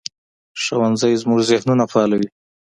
ښوونځی زموږ ذهنونه فعالوي